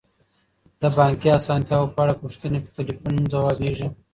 د بانکي اسانتیاوو په اړه پوښتنې په تلیفون ځوابیږي.